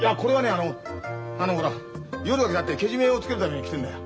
あのあのほら夜が来たってけじめをつけるために着てんだよ。